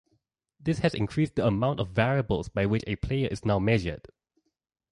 This has increased the amount of variables by which a player is now measured.